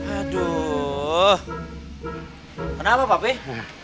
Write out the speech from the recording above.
aduh kenapa papih